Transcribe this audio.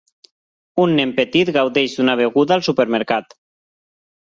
Un nen petit gaudeix d'una beguda al supermercat.